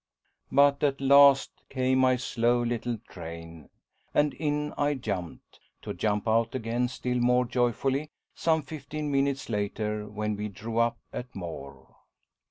But at last came my slow little train, and in I jumped, to jump out again still more joyfully some fifteen minutes later when we drew up at Moore.